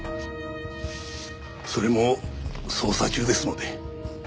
それも捜査中ですので。